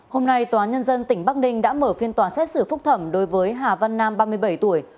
hôm nay tòa nhân dân tỉnh bắc ninh đã mở phiên tòa xét xử phúc thẩm đối với hà văn nam ba mươi bảy tuổi